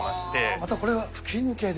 またこれが吹き抜けで。